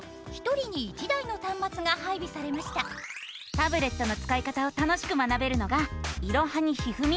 タブレットのつかい方を楽しく学べるのが「いろはにひふみ」。